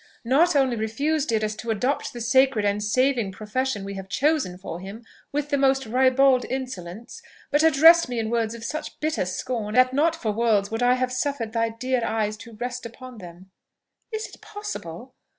"Not only refused, dearest, to adopt the sacred and saving profession we have chosen for him with the most ribald insolence, but addressed me in words of such bitter scorn, that not for worlds would I have suffered thy dear eyes to rest upon them." "Is it possible!